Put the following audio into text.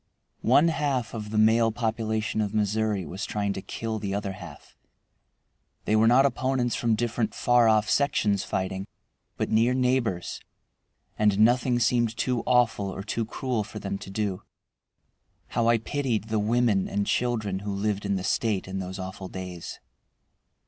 One half of the male population of Missouri was trying to kill the other half. They were not opponents from different far off sections fighting, but near neighbors, and nothing seemed too awful or too cruel for them to do. How I pitied the women and children who lived in the State in those awful days!